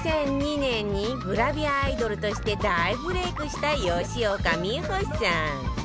２００２年にグラビアアイドルとして大ブレイクした吉岡美穂さん